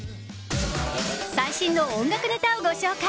最新の音楽ネタをご紹介！